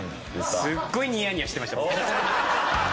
すっごいニヤニヤしてました僕。